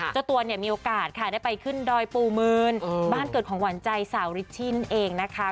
เจ้าตัวเนี่ยมีโอกาสค่ะได้ไปขึ้นดอยปูมืนบ้านเกิดของหวานใจสาวริชชินนั่นเองนะคะ